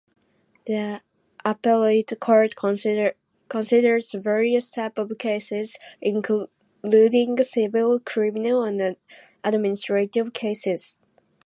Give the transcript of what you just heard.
The appellate court considers various types of cases, including civil, criminal, and administrative cases.